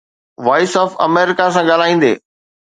voice of America سان ڳالهائيندي